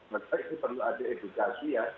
maksudnya ini perlu ada edukasi ya